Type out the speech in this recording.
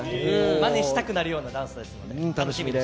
まねしたくなるようなダンスです楽しみです。